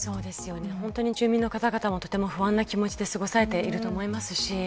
本当に住民の方々不安な気持ちで過ごされていると思います。